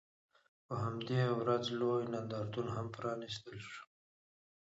په همدې ورځ لوی نندارتون هم پرانیستل شوی و.